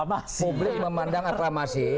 publik memandang aklamasi